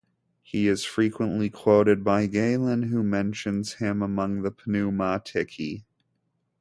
He is frequently quoted by Galen, who mentions him among the Pneumatici.